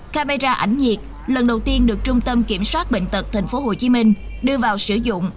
camera ảnh nhiệt lần đầu tiên được trung tâm kiểm soát bệnh tật tp hcm đưa vào sử dụng